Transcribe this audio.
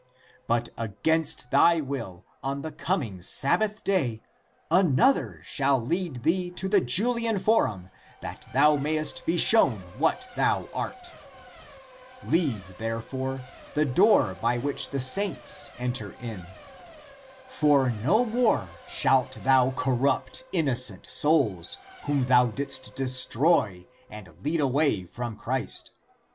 But against thy will, on the coming Sabbath day, another shall lead thee to the Julian forum that thou mayest be shown what thou art. Leave, therefore, the door by which the saints enter in. For no more shalt thou corrupt innocent souls whom thou didst destroy and lead away from Christ.